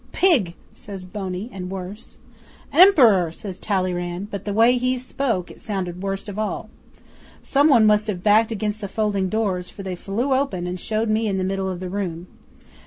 '"Pig!" says Boney, and worse. '"Emperor!" says Talleyrand, but, the way he spoke, it sounded worst of all. Some one must have backed against the folding doors, for they flew open and showed me in the middle of the room.